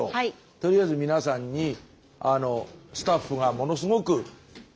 とりあえず皆さんにスタッフがものすごく。